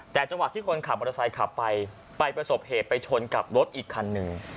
แต่จังหวะที่คนขับมอเตอร์ไซค์ขับไปไปประสบเหตุไปชนกับรถอีกคันหนึ่ง